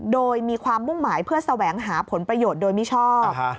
โดยมีความมุ่งหมายเพื่อแสวงหาผลประโยชน์โดยมิชอบ